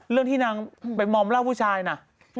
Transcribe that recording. เรื่องที่นางว่านางก็เม้าแล้วผู้ชายนะ